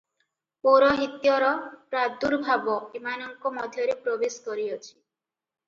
ପୌରହିତ୍ୟର ପ୍ରାଦୁର୍ଭାବ ଏମାନଙ୍କ ମଧ୍ୟରେ ପ୍ରବେଶ କରିଅଛି ।